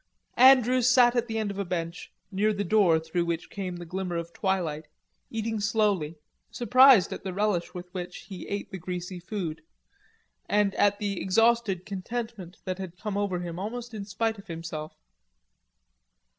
Andrews sat at the end of a bench, near the door through which came the glimmer of twilight, eating slowly, surprised at the relish with which he ate the greasy food, and at the exhausted contentment that had come over him almost in spite of himself.